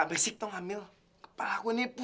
kamu tuh emang hebat ya duta